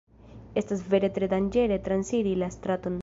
Estas vere tre danĝere transiri la straton.